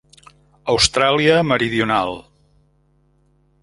Austràlia Meridional.